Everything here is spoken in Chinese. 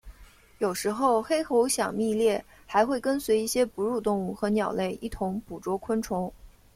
有时黑喉响蜜䴕还会跟随一些哺乳动物和鸟类一同捕捉昆虫。